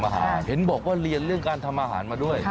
เห็นบอกว่าเรียนเรื่องการทำอาหารมาด้วย